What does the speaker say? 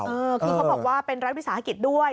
เออคือเขาบอกว่าเป็นรัฐวิสาหกิจด้วย